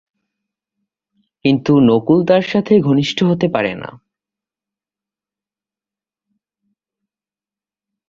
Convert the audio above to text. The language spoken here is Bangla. কিন্তু নকুল তার সাথে ঘনিষ্ঠ হতে পারে না।